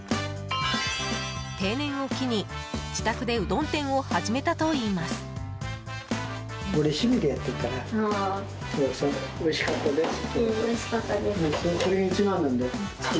定年を機に、自宅でうどん店を始めたといいます。